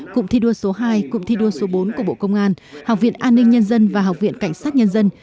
cụm thi đua số hai cụm thi đua số bốn của bộ công an học viện an ninh nhân dân và học viện cảnh sát nhân dân